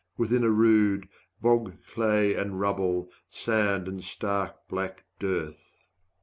within a rood, Bog, clay and rubble, sand and stark black dearth.